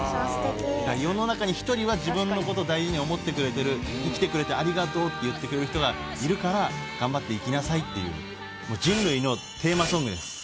世の中に一人は自分のこと大事に思ってくれてる生きてくれてありがとうって言ってくれる人がいるから頑張っていきなさいっていう。